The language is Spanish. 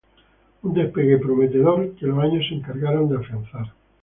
Un despegue prometedor que los años se encargaron de afianzar.